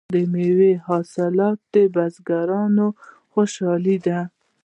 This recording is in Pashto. د میوو حاصلات د بزګرانو خوشحالي ده.